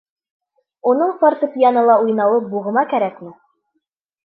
Уның фортепьянола уйнауы буғыма кәрәкме?